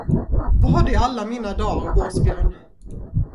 Vad i alla mina dar, Åsbjörn!